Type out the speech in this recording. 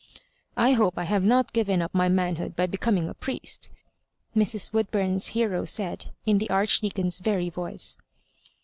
'*I hope I have not given up my manhood by becoming a priest," Mrs. Wood bum's hero said, in the Archdeacon's very voice.